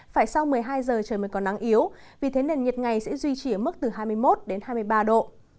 phải sau một mươi hai giờ trời mới có nắng yếu vì thế nền nhiệt ngày sẽ duy trì ở mức từ hai mươi một đến hai mươi ba độ